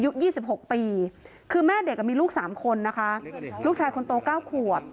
๒๖ปีคือแม่เด็กมีลูก๓คนนะคะลูกชายคนโต๙ขวบ